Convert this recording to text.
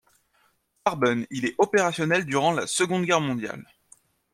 Farben, il est opérationnel durant la Seconde Guerre mondiale.